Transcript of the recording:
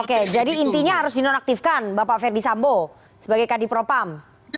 oke jadi intinya harus dinonaktifkan bapak verdi sambo sebagai kadipropam